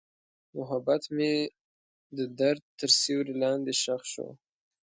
محبت مې د درد تر سیوري لاندې ښخ شو.